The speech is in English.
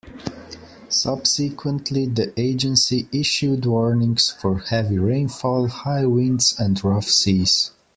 Subsequently, the agency issued warnings for heavy rainfall, high winds, and rough seas.